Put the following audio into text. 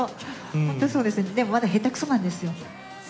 本当そうですね、でもまだ下手くそなんですよ。